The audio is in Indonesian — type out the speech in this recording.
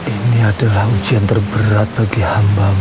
ini adalah ujian terberat bagi hambamu